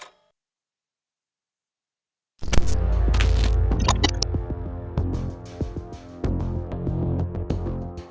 ส่วนข้อมูลสำเร็จ